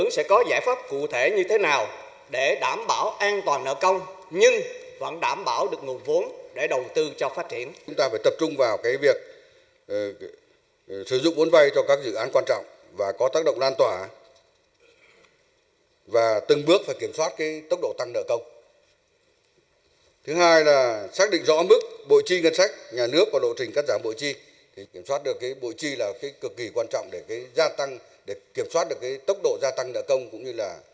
sẽ có giải pháp cụ thể như thế nào để đảm bảo an toàn nợ công nhưng vẫn đảm bảo được nguồn vốn để đầu tư cho phát triển